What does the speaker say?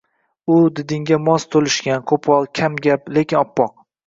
U didingga mos to`lishgan, qo`pol, kamgap, lekin oppoq